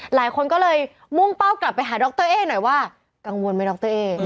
หลายคนก็เลยมุ่งเป้ากลับไปหาดรเอ๊หน่อยว่ากังวลไหมดรเอ๊